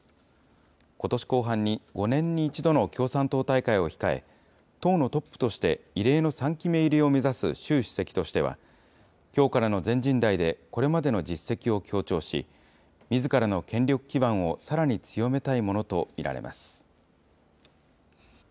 ことし後半に５年に１度の共産党大会を控え、党のトップとして異例の３期目入りを目指す習主席としては、きょうからの全人代で、これまでの実績を強調し、みずからの権力基盤をさらに強めたいものと見られます。